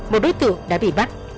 một đối tượng đã bị bắt